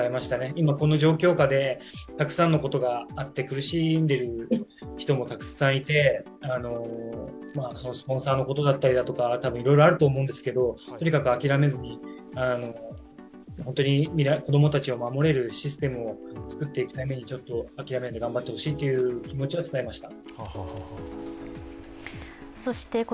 今、この状況下でたくさんのことがあって苦しんでる人もたくさんいて、スポンサーのことだったりとか、きっといろいろあると思うんですけど、とにかく諦めずに本当に子供たちを守れるシステムを作っていくために、諦めないで頑張ってほしいという気持ちを伝えました。